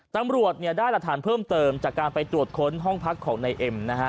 ตำรวจได้รัฐานเพิ่มเติมจากการไปตรวจค้นห้องพักของในเอ็ม